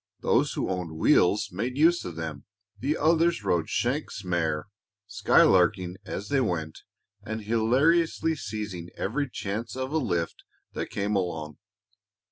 Those who owned wheels made use of them; the others rode "shanks' mare," skylarking as they went and hilariously seizing every chance of a lift that came along.